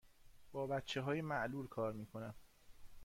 با بچه های معلول کار می کنم.